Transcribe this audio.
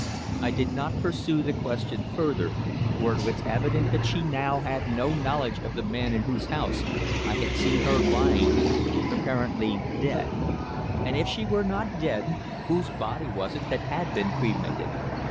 I did not pursue the question further, for it was evident that she now had no knowledge of the man in whose house I had seen her lying apparently dead. And if she were not dead whose body was it that had been cremated?